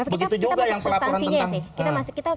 begitu juga yang pelakuan tentang